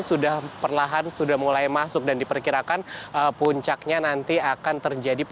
sudah perlahan sudah mulai masuk dan diperkirakan puncaknya nanti akan terjadi